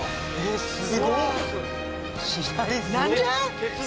すごい！